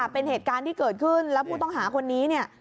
เป็นเหตุการณ์ที่เกิดขึ้นแล้วผู้ต้องหาคนนี้เนี่ย